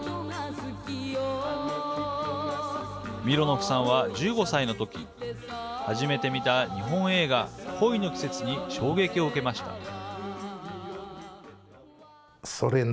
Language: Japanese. ミロノフさんは１５歳の時初めて見た日本映画「恋の季節」に衝撃を受けました。